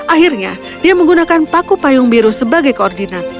akhirnya dia menggunakan paku payung biru sebagai koordinat